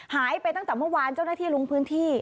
หายไปตั้งแต่เมื่อวานเจ้าหน้าที่ลงพื้นที่